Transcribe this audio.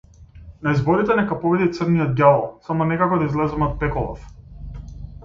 На изборите нека победи црниот ѓавол, само некако да излеземе од пеколов!